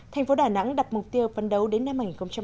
thành phố đà nẵng đặt mục tiêu phân đấu đến năm hai nghìn hai mươi